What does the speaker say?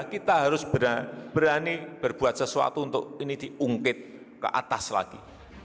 kita harus berani berbuat sesuatu untuk ini diungkit ke atas lagi